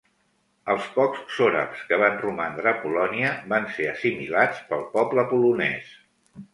Els pocs sòrabs que van romandre a Polònia van ser assimilats pel poble polonès.